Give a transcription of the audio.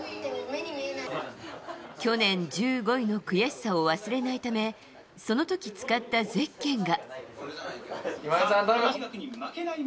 去年１５位の悔しさを忘れないためその時使ったゼッケンが。